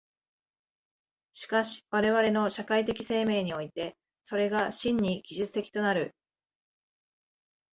しかし我々の社会的生命において、それが真に技術的となる。